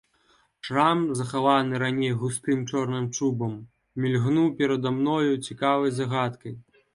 Шрам, захаваны раней густым чорным чубам, мільгнуў перада мною цікавай загадкай.